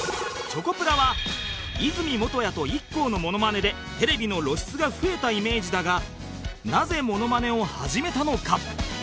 チョコプラは和泉元彌と ＩＫＫＯ のモノマネでテレビの露出が増えたイメージだがなぜモノマネを始めたのか？